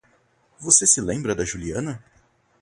Você se lembra da Juliana?